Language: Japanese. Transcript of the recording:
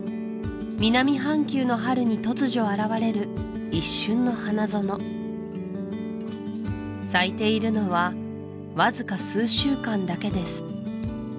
南半球の春に突如現れる咲いているのはわずか数週間だけです